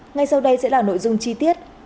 ngay sau đây sẽ là nội dung chi tiết